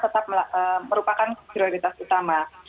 tetap merupakan prioritas utama